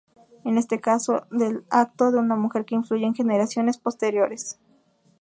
En este caso del acto de una mujer que influyó en generaciones posteriores.